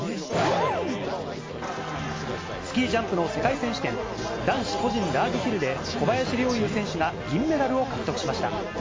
スキージャンプの世界選手権、男子個人ラージヒルで、小林陵侑選手が銀メダルを獲得しました。